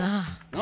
何？